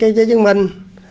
cái giấy chứng minh